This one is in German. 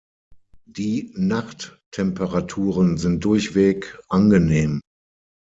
Die Nachttemperaturen sind durchweg angenehm.